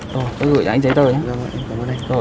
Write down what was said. tôi gửi cho anh giấy tờ nhé